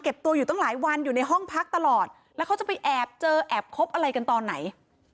ตัวอยู่ตั้งหลายวันอยู่ในห้องพักตลอดแล้วเขาจะไปแอบเจอแอบคบอะไรกันตอนไหน